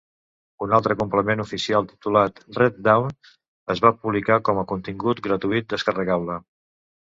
Un altre complement oficial titulat Red Dawn es va publicar com a contingut gratuït descarregable.